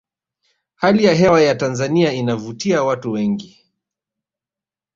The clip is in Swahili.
hali ya hewa ya tanzania inavutia watu wengi